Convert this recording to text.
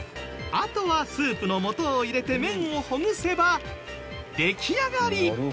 あとはスープのもとを入れて麺をほぐせば出来上がり！